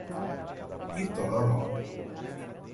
Itororó